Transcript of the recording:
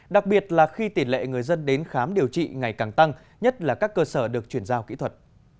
đặc biệt là khi tỷ lệ người dân đến khám điều trị ngày càng tăng nhất là các cơ sở được chuyển giao kỹ thuật